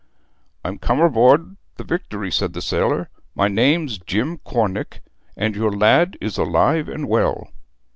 'I'm from aboard the Victory,' said the sailor. 'My name's Jim Cornick. And your lad is alive and well.'